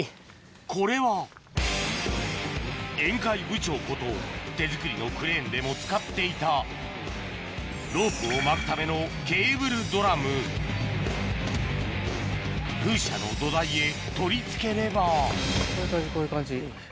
これは宴会部長こと手作りのクレーンでも使っていたロープを巻くための風車の土台へ取り付ければこういう感じこういう感じ。